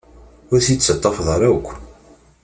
Ur t-id-tettafeḍ ara akk.